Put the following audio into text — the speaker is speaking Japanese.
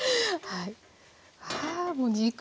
はい。